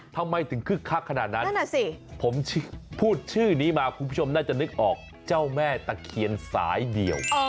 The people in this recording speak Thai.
ทำไมถึงคึกคักขนาดนั้นผมพูดชื่อนี้มาคุณผู้ชมน่าจะนึกออกเจ้าแม่ตะเคียนสายเดี่ยว